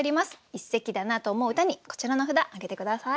一席だなと思う歌にこちらの札挙げて下さい。